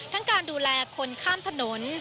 การดูแลคนข้ามถนน